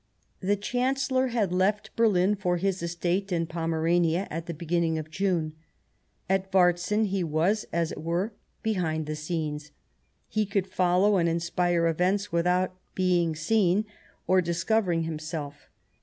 The Chancellor had left Berlin for his estate in Pomerania at the beginning of June. At Varzin he was, as it were, behind the scenes ; Telegram ^^^^^^'^ follow and inspire events with out being seen or discovering himself.